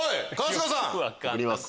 送ります。